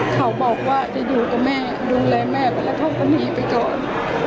เขาบอกว่าจะอยู่กับแม่ดูแลแม่ไปแล้วเขาก็หนีไปก่อน